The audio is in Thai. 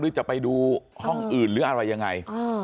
จะไปดูห้องอื่นหรืออะไรยังไง